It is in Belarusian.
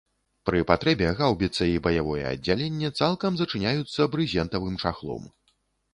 Пры патрэбе гаўбіца і баявое аддзяленне цалкам зачыняюцца брызентавым чахлом.